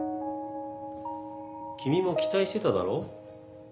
君も期待してただろ？